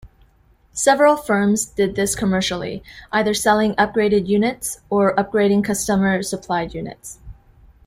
Several firms did this commercially, either selling upgraded units or upgrading customer-supplied units.